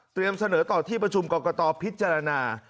เสนอต่อที่ประชุมกรกตพิจารณา